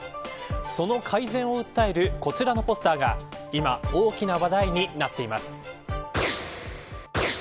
その改善を訴えるこちらのポスターが今、大きな話題になっています。